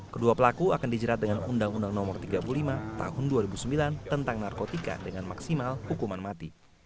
kedua pelaku akan dijerat dengan undang undang no tiga puluh lima tahun dua ribu sembilan tentang narkotika dengan maksimal hukuman mati